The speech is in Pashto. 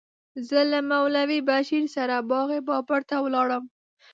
زه له مولوي بشیر سره باغ بابر ته ولاړم.